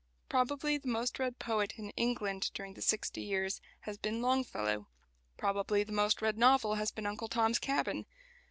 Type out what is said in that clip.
Probably the most read poet in England during the sixty years has been Longfellow. Probably the most read novel has been "Uncle Tom's Cabin."